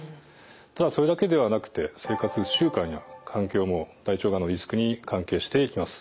ただそれだけではなくて生活習慣や環境も大腸がんのリスクに関係していきます。